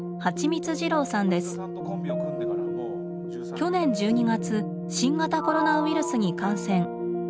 去年１２月新型コロナウイルスに感染。